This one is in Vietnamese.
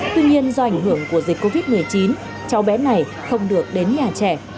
tuy nhiên do ảnh hưởng của dịch covid một mươi chín cháu bé này không được đến nhà trẻ